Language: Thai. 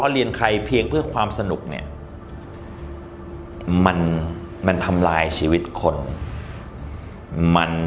เรียนใครเพียงเพื่อความสนุกเนี่ยมันมันทำลายชีวิตคนมัน